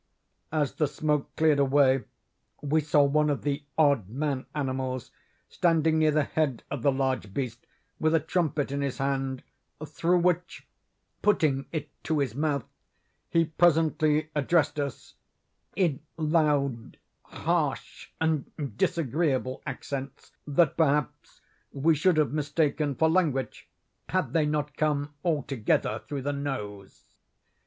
As the smoke cleared away, we saw one of the odd man animals standing near the head of the large beast with a trumpet in his hand, through which (putting it to his mouth) he presently addressed us in loud, harsh, and disagreeable accents, that, perhaps, we should have mistaken for language, had they not come altogether through the nose.